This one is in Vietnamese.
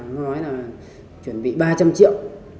nó nói là chuẩn bị ba trăm linh triệu